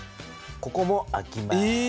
ここもあきます。